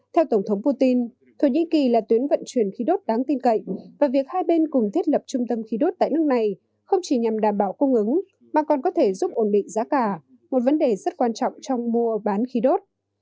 theo tổng thống putin thổ nhĩ kỳ là tuyến vận chuyển khí đốt đáng tin cậy và việc hai bên cùng thiết lập trung tâm khí đốt tại nước này không chỉ nhằm đảm bảo cung ứng mà còn có thể giúp ổn định giá cả một vấn đề rất quan trọng trong mua bán khí đốt